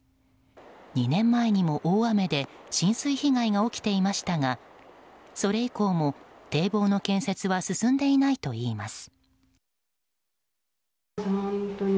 ２年前にも大雨で浸水被害が起きていましたがそれ以降も堤防の建設は進んでいないといいます。